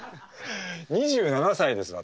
２７歳です私。